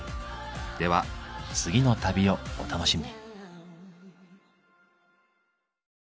では次の旅をお楽しみに。